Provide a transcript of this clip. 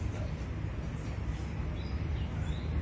วันที่๕นี้สวัสดีทุกคน